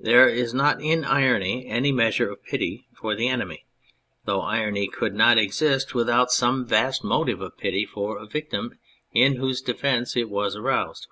There is not in irony any measure of pity for the enemy, though irony could not exist without some vast 18 On Irony motive of pity for a victim in whose defence it was aroused.